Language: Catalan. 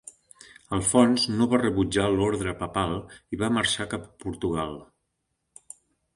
Alfons no va rebutjar l'ordre papal i va marxar cap a Portugal.